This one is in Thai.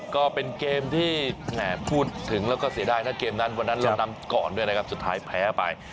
ก็เป็นเกมที่พูดถึงแล้วก็เสียดายนะเกมนั้นวันนั้นเรานำก่อนด้วยนะครับสุดท้ายแพ้ไป